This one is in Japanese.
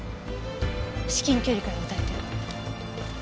至近距離から撃たれてる。